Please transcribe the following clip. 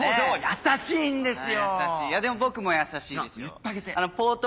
優しいんですよ。